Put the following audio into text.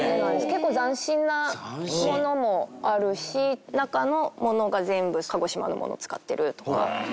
結構斬新なものもあるし中のものが全部鹿児島のものを使ってるとか。